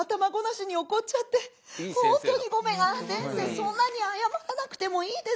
そんなに謝らなくてもいいですよ。